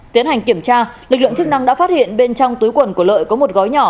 tiến hành kiểm tra lực lượng chức năng đã phát hiện bên trong túi quần của lợi có một gói nhỏ